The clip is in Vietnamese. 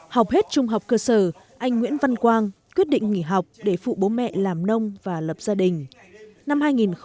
học hết trung học cơ sở anh nguyễn văn quang quyết định nghỉ học để phụ bố mẹ làm nông và lập gia đình